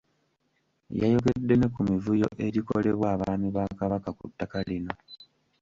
Yayogedde ne ku mivuyo egikolebwa abaami ba Kabaka ku ttaka lino.